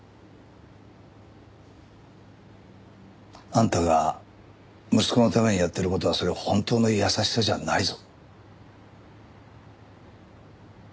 あんたが息子のためにやってる事はそれ本当の優しさじゃないぞ。